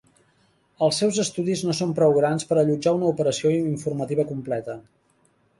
Els seus estudis no són prou grans per allotjar una operació informativa completa.